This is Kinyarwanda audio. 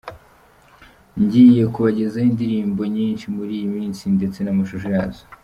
Ngiye kubagezaho indirimbo nyinshi muri iyi minsi ndetse n’amashusho yazo.